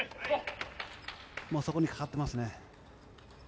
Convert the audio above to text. そこにかかってますね。